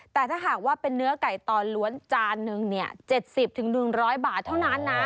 แต่ถ้าหากว่าเป็นเนื้อไก่ตอนล้วนจานนึง๗๐๑๐๐บาทเท่านั้นนะ